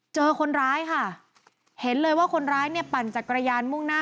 เจอคนร้ายค่ะเห็นเลยว่าคนร้ายเนี่ยปั่นจักรยานมุ่งหน้า